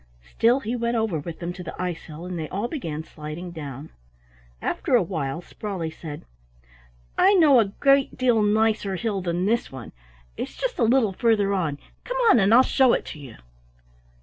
Still he went over with them to the icehill and they all began sliding down. After a while Sprawley said: "I know a great deal nicer hill than this one. It's just a little farther on; come on and I'll show it to you."